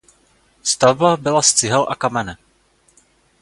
Stavba byla z cihel a kamene.